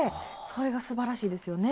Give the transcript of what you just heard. それがすばらしいですよね。